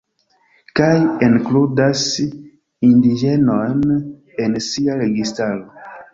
Kaj enkludas indiĝenojn en sia registaro.